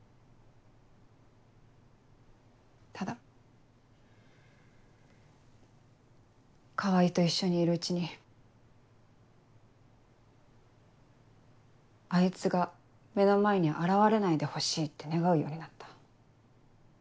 ただ川合と一緒にいるうちにあいつが目の前に現れないでほしいって願うようになった。